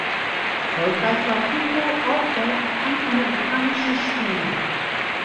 Erfolgreich war Pupo auch bei Panamerikanischen Spielen.